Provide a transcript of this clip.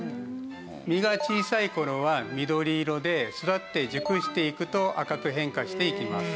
実が小さい頃は緑色で育って熟していくと赤く変化していきます。